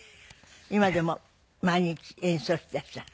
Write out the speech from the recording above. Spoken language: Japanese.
今でも毎日演奏していらっしゃる？